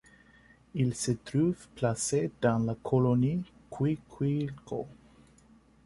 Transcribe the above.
Il se trouve placé dans la colonie Cuicuilco.